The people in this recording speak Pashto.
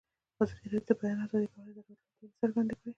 ازادي راډیو د د بیان آزادي په اړه د راتلونکي هیلې څرګندې کړې.